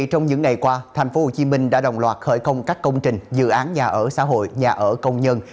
trong những ngày qua tp hcm đã đồng loạt khởi công các công trình dự án nhà ở xã hội nhà ở công nhân